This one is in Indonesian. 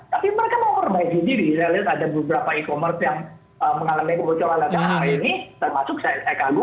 tapi mereka memperbaiki diri saya lihat ada beberapa e commerce yang mengalami kebocoran data hari ini termasuk saya kagum